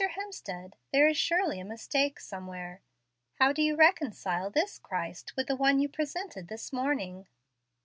Hemstead, there is surely a mistake somewhere. How do you reconcile this Christ with the one you presented this morning?"